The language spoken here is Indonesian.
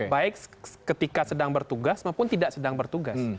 baik ketika sedang bertugas maupun tidak sedang bertugas